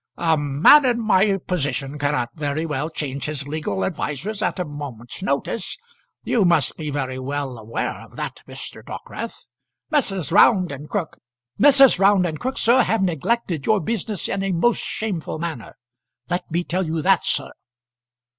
"A man in my position cannot very well change his legal advisers at a moment's notice. You must be very well aware of that, Mr. Dockwrath. Messrs. Round and Crook " "Messrs. Round and Crook, sir, have neglected your business in a most shameful manner. Let me tell you that, sir."